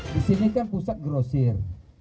di sini kan pusat grosir